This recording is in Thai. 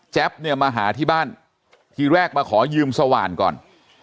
เนี่ยมาหาที่บ้านทีแรกมาขอยืมสว่านก่อน